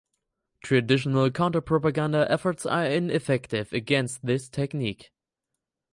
Traditional counterpropaganda efforts are ineffective against this technique.